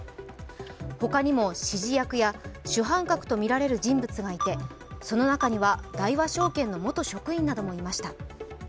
ほかにも指示役や主犯格とみられる人物がいて、その中には大和証券の元職員などもいました。